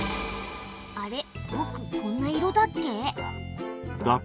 あれぼくこんな色だっけ？